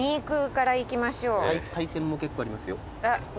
海鮮も結構ありますよ。